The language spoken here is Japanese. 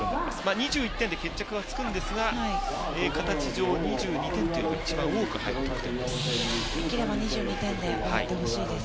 ２１点で決着はつくんですが形上、２２点というのが一番多く入る得点です。